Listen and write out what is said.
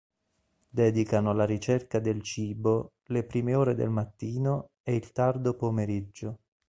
Dedicano alla ricerca del cibo le prime ore del mattino e il tardo pomeriggio.